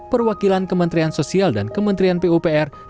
perwakilan kementerian sosial dan kementerian pupr